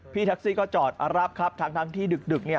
พี่แท็กซี่ก็จอดรับครับทั้งที่ดึก